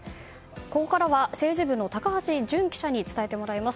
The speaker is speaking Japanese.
ここからは政治部の高橋洵記者に伝えてもらいます。